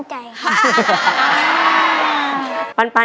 ขอบคุณค่ะ